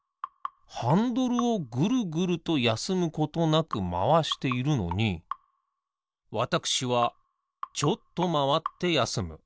ハンドルをぐるぐるとやすむことなくまわしているのにわたくしはちょっとまわってやすむ。